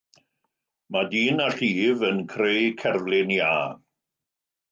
Mae dyn â llif yn creu cerflun iâ.